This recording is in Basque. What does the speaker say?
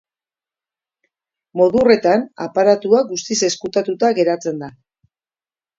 Modu horretan, aparatua guztiz ezkutatuta geratzen da.